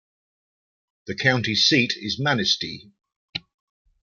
The county seat is Manistee.